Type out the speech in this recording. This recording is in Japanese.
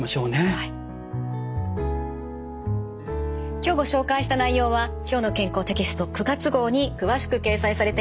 今日ご紹介した内容は「きょうの健康」テキスト９月号に詳しく掲載されています。